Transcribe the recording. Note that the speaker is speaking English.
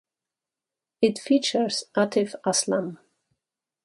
It features Atif Aslam.